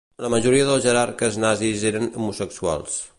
La majoria dels jerarques nazis eren homosexuals.